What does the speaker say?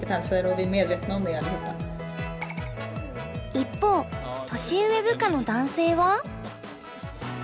一方年上部下の男性は。